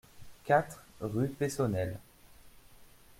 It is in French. quatre rue Peyssonnel